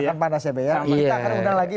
masih panas ya be kita akan undang lagi